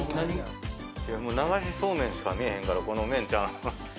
流しそうめんにしか見えへんからこの麺ちゃうの？